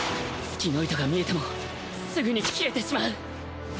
隙の糸が見えてもすぐに切れてしまう